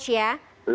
learning ya coach ya